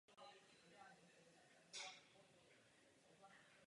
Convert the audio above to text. Umění určitým způsobem užívala a užívá většina křesťanských společenství.